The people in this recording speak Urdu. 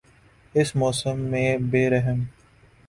اس موسم میں بے رحم